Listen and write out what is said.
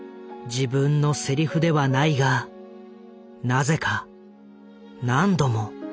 自分のセリフではないがなぜか何度も。